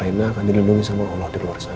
kalau reina akan dilindungi sama allah di luar sana